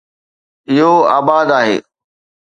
اهو آباد آهي